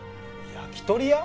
焼き鳥屋？